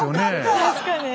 確かに。